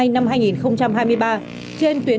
năm hai nghìn hai mươi ba trên tuyến